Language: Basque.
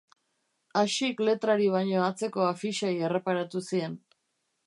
Axik letrari baino atzeko afixei erreparatu zien.